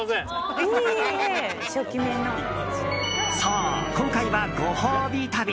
そう、今回はご褒美旅。